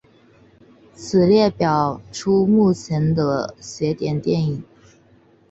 此表列出目前的邪典电影。